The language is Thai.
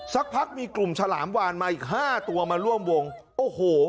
สักพักมีกลุ่มฉลามวานมาอีกห้าตัวมาร่วมวงโอ้โห